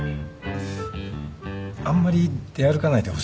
あんまり出歩かないでほしいんだけど。